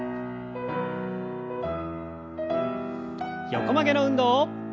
横曲げの運動。